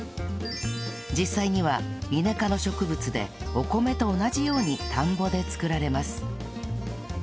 実際にはイネ科の植物でお米と同じように田んぼで作られます